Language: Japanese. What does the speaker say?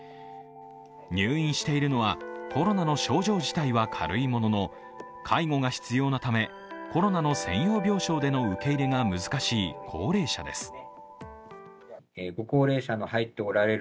入院しているのは、コロナの症状自体は軽いものの介護が必要なためコロナの専用病床での受け入れが難しい高齢者です。